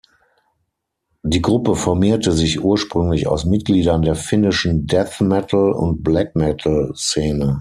Die Gruppe formierte sich ursprünglich aus Mitgliedern der finnischen Death-Metal- und Black-Metal-Szene.